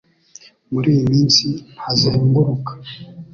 Muri iyi minsi ntazenguruka